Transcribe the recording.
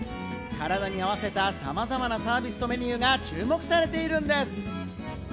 体に合わせた、さまざまなサービスとメニューが注目されているんです。